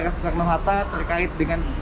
sampai ke bandara soekarno hatta terkait dengan